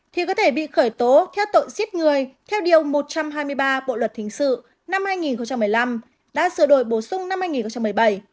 thì có thể bị khởi tố theo tội giết người theo điều một trăm hai mươi ba bộ luật hình sự năm hai nghìn một mươi năm đã sửa đổi bổ sung năm hai nghìn một mươi bảy